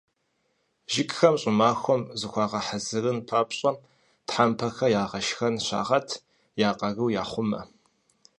Жыгхэм щӏымахуэ щӏыӏэм зыхуагъэхьэзырын папщӏэ, тхьэпмэхэр «ягъэшхэн» щагъэт, я къарур яхъумэ.